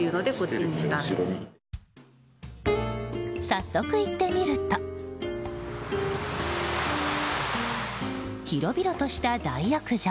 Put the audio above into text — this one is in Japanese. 早速、行ってみると広々とした大浴場。